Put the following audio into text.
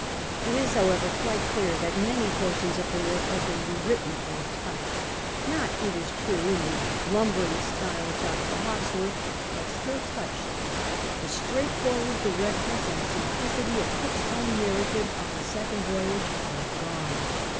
It is, however, quite clear that many portions of the work have been re written or touched — not, it is true, in the lumbering style of Dr. ITawkcsworth, but still touched. The straightforwanl directness and simplicity of Cook's own narrative of the second voyage are gone.